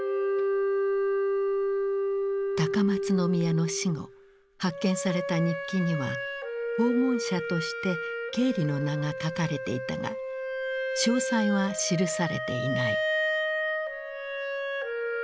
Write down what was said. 高松宮の死後発見された日記には訪問者としてケーリの名が書かれていたが詳細は記されていない。